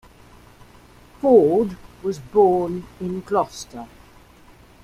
Ford was born in Gloucester.